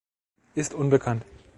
Ist unbekannt!